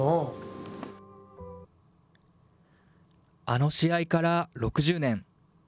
あの試合から６０年。